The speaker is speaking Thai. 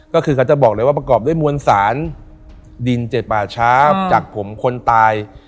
ก็คือเขาจะบอกเลยว่าประกอบด้วยมวลสารดินเจ็ดป่าช้าจากผมคนตาย